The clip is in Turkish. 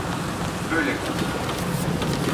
Öyle kalsın.